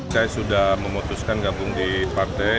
saya sudah memutuskan gabung di partai